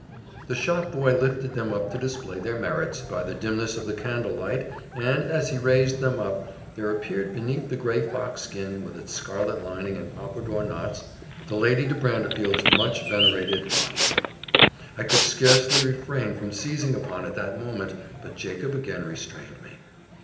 The shopboy lifted them up to display their merits, by the dimness of the candle light, and, as he raised them up, there appeared beneath the gray fox skin with its scarlet lining and pompadour knots, the Lady de Brantefield's much venerated muff. I could scarcely refrain from seizing upon it that moment, but Jacob again restrained me.